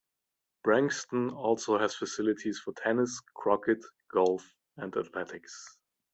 Branxton also has facilities for tennis, croquet, golf and athletics.